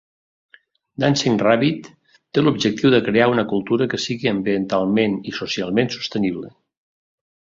Dancing Rabbit té l'objectiu de crear una cultura que sigui ambientalment i socialment sostenible.